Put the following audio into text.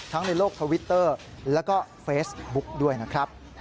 ในโลกทวิตเตอร์แล้วก็เฟซบุ๊กด้วยนะครับ